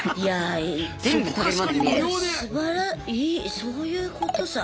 そういうことさ。